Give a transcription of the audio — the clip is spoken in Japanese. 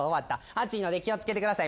熱いので気を付けてください。